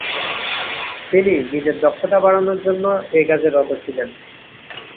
তিনি নিজের দক্ষতা বাড়ানোর জন্য এ কাজে রত ছিলেন।